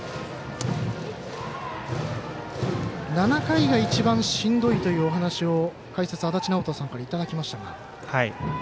７回が一番しんどいという話を解説の足達尚人さんからいただきましたが。